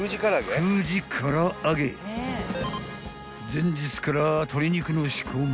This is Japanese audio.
［前日から鶏肉の仕込み］